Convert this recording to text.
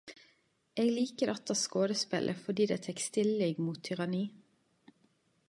Eg liker dette skodespelet fordi det tek stilling mot tyranni...